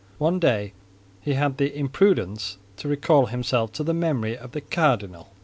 One day he had the imprudence to recall himself to the memory of the cardinal.